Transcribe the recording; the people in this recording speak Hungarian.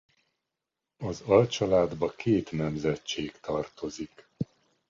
Az alcsaládba két nemzetség tartozik.